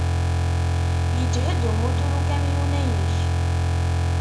Yeǧhed umutur ukamyun-a-inek.